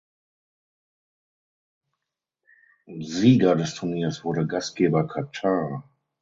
Sieger des Turniers wurde Gastgeber Katar.